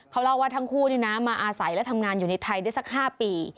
เขาเล่าว่าทั้งคู่มาอาศัยและทำงานอยู่ในไทยได้สัก๕ปี